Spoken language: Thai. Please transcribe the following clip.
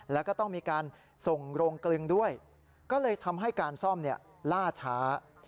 แล้วก็ต้องมีการส่งโรงกลึงด้วยก็เลยทำให้การซ่อมล่าช้า